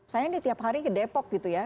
saya ini tiap hari ke depok gitu ya